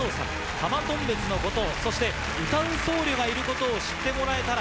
「浜頓別のことをそして歌う僧侶がいることを知ってもらえたら」